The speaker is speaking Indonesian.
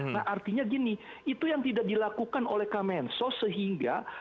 nah artinya gini itu yang tidak dilakukan oleh kemensos sehingga